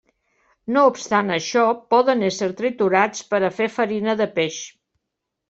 No obstant això, poden ésser triturats per a fer farina de peix.